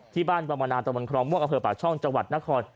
ที่บ้านปรมานาสตรวรรค์ม่วงกระเผลปลาช่องจังหวัดนคร